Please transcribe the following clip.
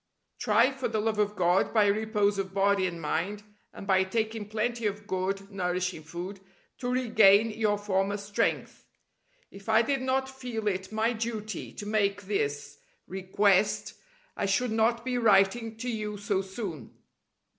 Try for the love of God, by repose of body and mind, and by taking plenty of good nourishing food, to regain your former strength. If I did not feel it my duty to make this request I should not be writing to you so soon.